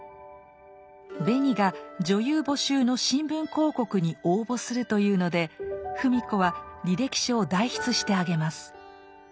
ベニが女優募集の新聞広告に応募するというので芙美子は履歴書を代筆してあげます。